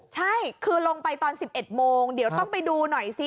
ใช่คือลงไปตอน๑๑โมงเดี๋ยวต้องไปดูหน่อยซิ